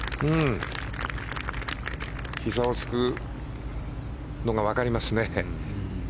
ひざをつくのがわかりますね。